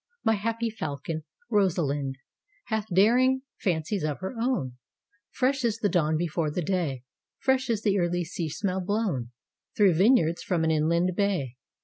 My happy falcon, Rosalind, Hath daring fancies of her own, Fresh as the dawn before the day, Fresh as the early seasmell blown Through vineyards from an inland bay.